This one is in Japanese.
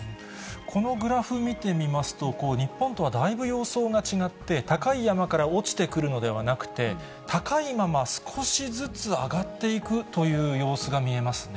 このグラフ見てみますと、日本とはだいぶ様相が違って、高い山から落ちてくるのではなくて、高いまま少しずつ上がっていくという様子が見えますね。